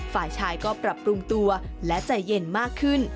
ฝ่ายชายก็ปรับปรุงตัวและใจเย็นมากขึ้น